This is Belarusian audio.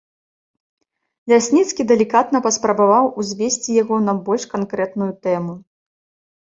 Лясніцкі далікатна паспрабаваў узвесці яго на больш канкрэтную тэму.